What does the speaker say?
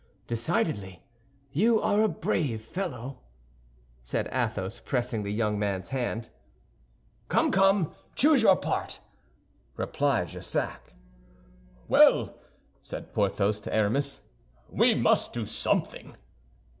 "Decidedly, you are a brave fellow," said Athos, pressing the young man's hand. "Come, come, choose your part," replied Jussac. "Well," said Porthos to Aramis, "we must do something."